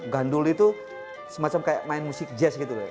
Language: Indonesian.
gandul itu semacam kayak main musik jazz gitu loh